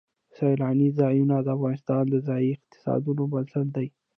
سیلانی ځایونه د افغانستان د ځایي اقتصادونو بنسټ دی.